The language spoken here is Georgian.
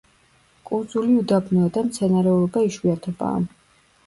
კუნძული უდაბნოა და მცენარეულობა იშვიათობაა.